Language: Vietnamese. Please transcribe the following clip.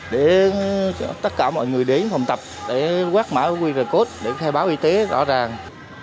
để tất cả mọi người đến phòng tập để quét mã qr code để khai báo y tế rõ ràng